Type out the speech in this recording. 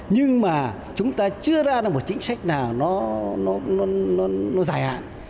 nhưng mà chúng ta chưa ra được một chính sách nào nó dài hạn